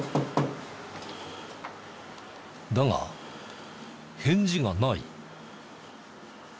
だが返事がない。